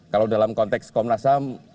kalau dalam konteks komnas ham